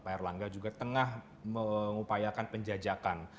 pak erlangga juga tengah mengupayakan penjajakan